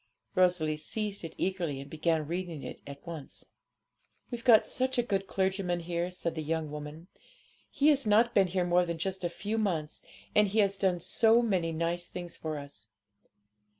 Rosalie seized it eagerly, and began reading it at once. 'We've got such a good clergyman here,' said the young woman; 'he has not been here more than a few months, and he has done so many nice things for us.